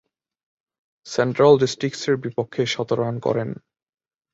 Central ডিস্ট্রিক্টসের বিপক্ষে শতরান করেন।